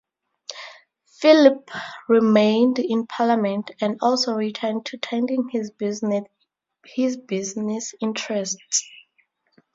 Philp remained in parliament, and also returned to tending his business interests.